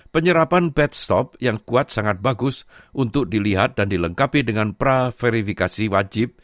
penyerapan bed stop yang kuat sangat bagus untuk dilihat dan dilengkapi dengan praverifikasi wajib